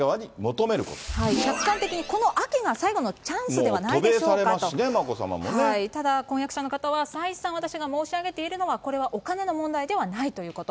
客観的にこの秋が最後のチャもう渡米されますしね、ただ、婚約者の方は、再三、私が申し上げているのは、これはお金の問題ではないということ。